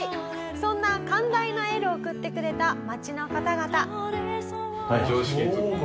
そんな寛大なエールを送ってくれた町の方々。